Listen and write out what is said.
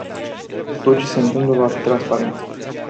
Tot ce se întâmplă va fi transparent.